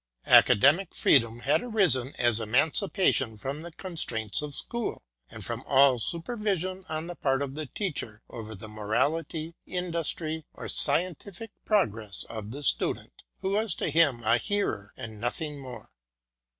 Academic Freedom had arisen, as emancipa tion from the constraints of school, and from all supervision on the part of the teacher over the morality, industry, or scientific progress of the Student, who was to him a hearer and nothing more.